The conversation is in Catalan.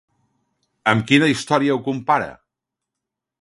Amb quina història ho compara?